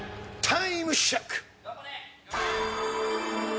タイムショック！